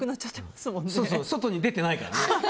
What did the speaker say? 外に出てないからね。